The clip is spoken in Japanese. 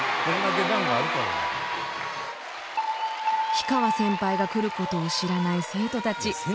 氷川先輩が来ることを知らない生徒たち。